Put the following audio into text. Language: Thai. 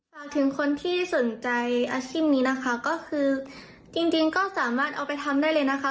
ฝากถึงคนที่สนใจอาชีพนี้นะคะ